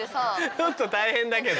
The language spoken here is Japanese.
ちょっと大変だけど。